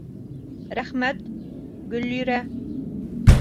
Рәхмәт, Гөллирә!